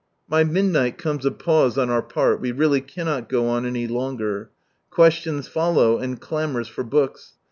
By midnight comes a pause on our part, we really cannot go on any longer. Questions follow, and clamours for books.